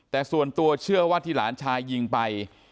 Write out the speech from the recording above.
แต่ส่วนตัวเชื่อว่าที่หลานชายยิงไป